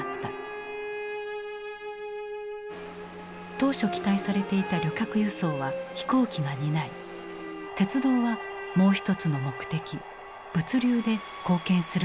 当初期待されていた旅客輸送は飛行機が担い鉄道はもう一つの目的物流で貢献することになる。